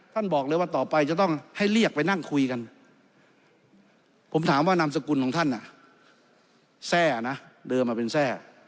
ท่านบอกเลยว่าต่อไปจะต้องให้เรียกไปนั่งคุยกันผมถามว่านามสกุลของท่านแทร่นะเดิมมาเป็นแทร่